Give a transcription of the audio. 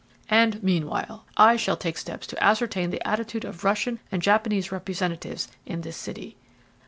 "And meanwhile I shall take steps to ascertain the attitude of Russian and Japanese representatives in this city."